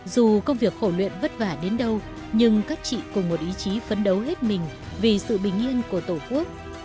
dù công việc khổ luyện vất vả đến đâu nhưng các chị cùng một ý chí phấn đấu hết mình vì sự bình yên của tổ quốc